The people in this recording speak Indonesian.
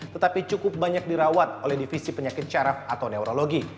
tetapi cukup banyak dirawat oleh divisi penyakit caraf atau neurologi